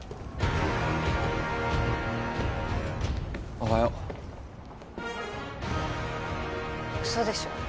おはよう嘘でしょ